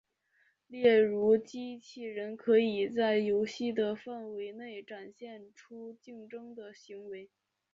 例如机器人可以在游戏的范围内展现出竞争的行为。